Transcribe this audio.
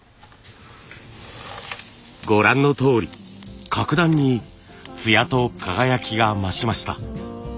ご覧のとおり格段につやと輝きが増しました。